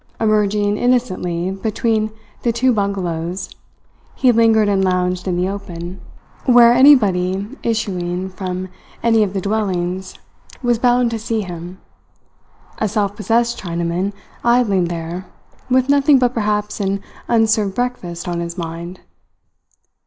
Emerging innocently between the two bungalows he lingered and lounged in the open, where anybody issuing from any of the dwellings was bound to see him a self possessed Chinaman idling there, with nothing but perhaps an unserved breakfast on his mind.